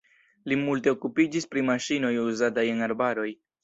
Li multe okupiĝis pri maŝinoj uzataj en arbaroj.